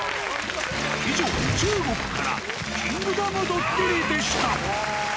以上、中国からキングダムドッキリでした。